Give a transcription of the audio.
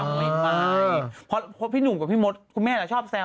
มันไม่เป็นพิทธิกรแล้วเหรอ